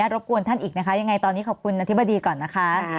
รบกวนท่านอีกนะคะยังไงตอนนี้ขอบคุณอธิบดีก่อนนะคะ